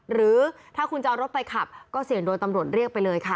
หรือถ้าคุณจะเอารถไปขับก็เสี่ยงโดยตำรวจเรียกไปเลยค่ะ